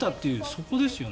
そこですよね。